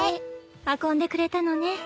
運んでくれたのね。